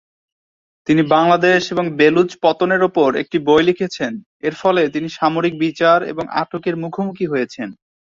তিনি বাংলাদেশ এবং বেলুচ পতনের উপর একটি বই লিখেছেন, এর ফলে তিনি সামরিক বিচার এবং আটকের মুখোমুখি হয়েছেন।